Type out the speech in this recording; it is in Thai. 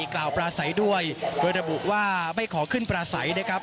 กล่าวปราศัยด้วยโดยระบุว่าไม่ขอขึ้นปลาใสนะครับ